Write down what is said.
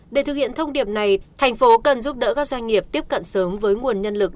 để thực hiện thông điệp này thành phố cần giúp đỡ các doanh nghiệp tiếp cận sớm với nguồn nhân lực